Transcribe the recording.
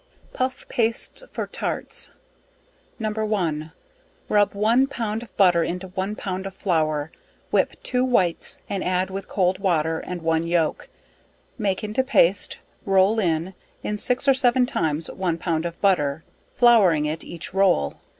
Puff Pastes for Tarts. No. 1. Rub one pound of butter into one pound of flour, whip 2 whites and add with cold water and one yolk; make into paste, roll in in six or seven times one pound of butter, flowring it each roll.